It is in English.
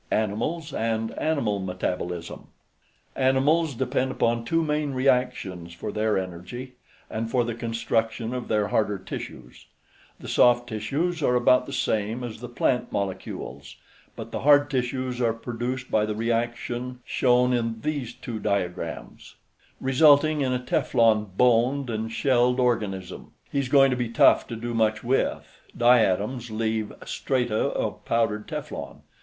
ANIMALS AND ANIMAL METABOLISM Animals depend upon two main reactions for their energy, and for the construction of their harder tissues. The soft tissues are about the same as the plant molecules, but the hard tissues are produced by the reaction: H H H F F F |||||| C C C + F_ > C C C + HF |||||| F F F F F F resulting in a teflon boned and shelled organism. He's going to be tough to do much with. Diatoms leave strata of powdered teflon.